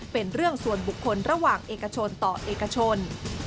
เป็นเรื่องส่วนบุคคลระหว่างเอกชนต่อเอกชน